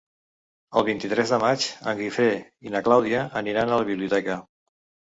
El vint-i-tres de maig en Guifré i na Clàudia aniran a la biblioteca.